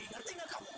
ngerti nggak kamu